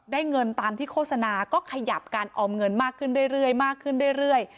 ได้เงินตามที่โฆษณาก็ขยับการออมเงินมากขึ้นเรื่อย